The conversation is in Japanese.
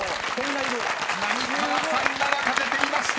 ［浪川さんなら書けていました］